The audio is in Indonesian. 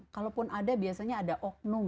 kalaupun ada biasanya ada oknum